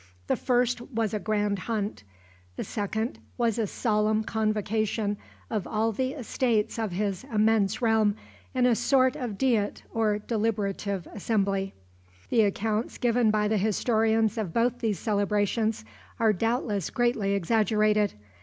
The first was a grand hunt. The second was a solemn convocation of all the estates of his immense realm in a sort of diet or deliberative assembly. The accounts given by the historians of both these celebrations are doubtless greatly exaggerated.